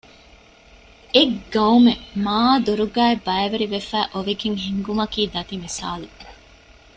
އެއް ޤައުމެއް މާދުރުދުރުގައި ބައިވެފައި އޮވެގެން ހިންގުމަކީ ދަތި މިސާލެއް